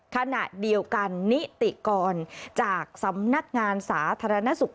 ขณะเดียวกันนิติกรจากสำนักงานสาธารณสุข